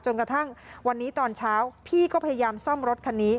กระทั่งวันนี้ตอนเช้าพี่ก็พยายามซ่อมรถคันนี้